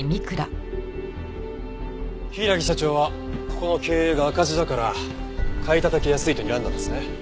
柊社長はここの経営が赤字だから買い叩きやすいとにらんだんですね。